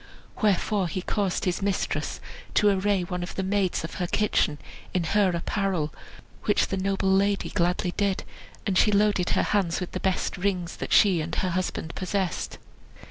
Wherefore he caused his mistress to array one of the maids of her kitchen in her apparel; which the noble lady gladly did, and she loaded her hands with the best rings that she and her husband possessed.